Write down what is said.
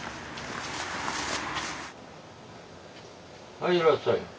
はいいらっしゃい。